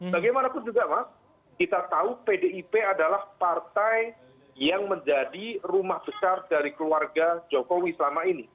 bagaimanapun juga mas kita tahu pdip adalah partai yang menjadi rumah besar dari keluarga jokowi selama ini